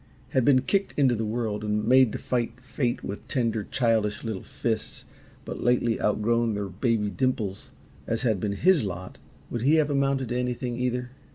had been kicked into the world and made to fight fate with tender, childish little fists but lately outgrown their baby dimples, as had been HIS lot, would he have amounted to anything, either?